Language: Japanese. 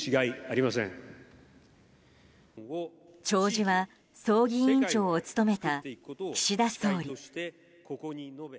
弔辞は葬儀委員長を務めた岸田総理。